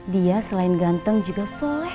dia selain ganteng juga soleh